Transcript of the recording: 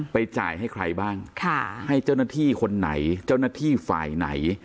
จ่ายให้ใครบ้างให้เจ้าหน้าที่คนไหนเจ้าหน้าที่ฝ่ายไหน